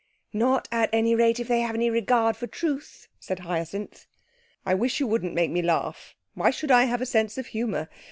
'Not, at any rate, if they have any regard for truth,' said Hyacinth. 'I wish you wouldn't make me laugh. Why should I have a sense of humour?